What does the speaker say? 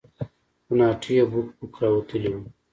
کوناټي يې بوک بوک راوتلي وو.